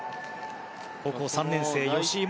高校３年生、吉井萌